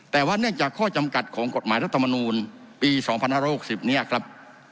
แต่ว่าเนื่องจากข้อจำกัดของกฎหมายรัฐมนูลปี๒๕๖๐เนี่ยครับ